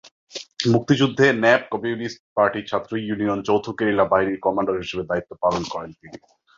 মুক্তিযুদ্ধে ন্যাপ-কমিউনিস্ট পার্টি-ছাত্র ইউনিয়ন যৌথ গেরিলা বাহিনীর কমান্ডার হিসাবে দায়িত্ব পালন করেন তিনি।